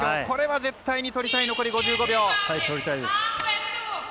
これは絶対にとりたい残り５５秒。